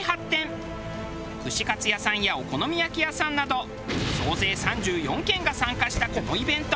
串カツ屋さんやお好み焼き屋さんなど総勢３４軒が参加したこのイベント。